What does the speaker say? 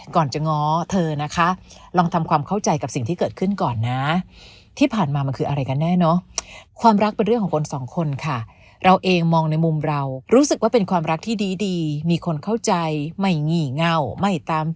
ก่อนจะง้อเธอนะคะลองทำความเข้าใจกับสิ่งที่เกิดขึ้นก่อนนะ